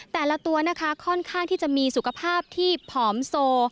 แต่ละตัวนะคะค่อนข้างที่จะมีสุขภาพที่ผอมโซ